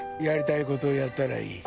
やりたいことやったらいい。